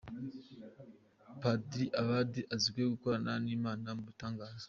Padiri Ubald azwiho gukorana n’Imana mu bitangaza.